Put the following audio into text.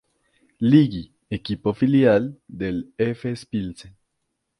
Ligi, equipo filial del Efes Pilsen.